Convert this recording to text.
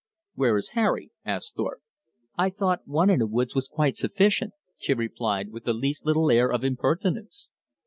"Where is Harry?" asked Thorpe. "I thought one in a woods was quite sufficient," she replied with the least little air of impertinence.